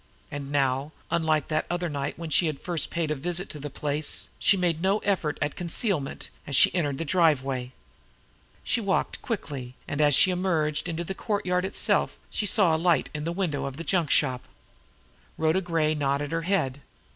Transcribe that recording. And now, unlike that other night when she had first paid a visit to the place, she made no effort at concealment as she entered the driveway. She walked quickly, and as she emerged into the courtyard itself she saw a light in the window of the junk shop. Rhoda Gray nodded her head.